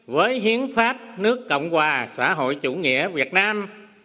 với hiến pháp nước cộng hòa xã hội chủ nghĩa việt nam